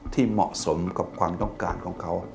ที่เหมาะสมกับความต้องการของเขา